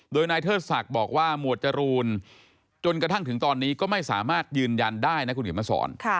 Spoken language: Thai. โดยนายเทิดศักดิ์บอกว่าหมวดจรูนจนกระทั่งถึงตอนนี้ก็ไม่สามารถยืนยันได้นะคุณเขียนมาสอน